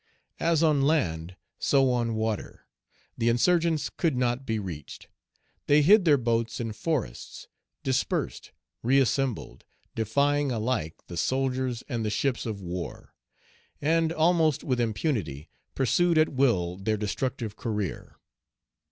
As on land so on water; the insurgents could not be reached. They hid their boats in forests; dispersed, reassembled, defying alike the soldiers and the ships of war; and, almost with impunity, pursued at will their destructive career.